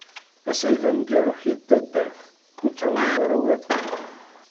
Ass-a i d aneggaru-k di taddart, ur trennuḍ ara ula d dqiqa.